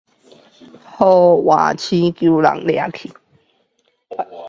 被外星人抓走